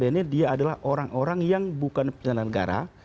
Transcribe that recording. yang notabene dia adalah orang orang yang bukan penjaga negara